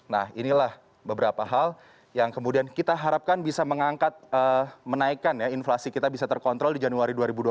nah inilah beberapa hal yang kemudian kita harapkan bisa mengangkat menaikkan ya inflasi kita bisa terkontrol di januari dua ribu dua puluh satu